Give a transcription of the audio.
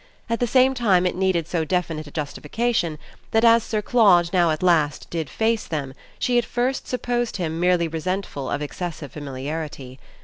At the same time it needed so definite a justification that as Sir Claude now at last did face them she at first supposed him merely resentful of excessive familiarity.